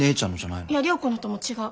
いや涼子のとも違う。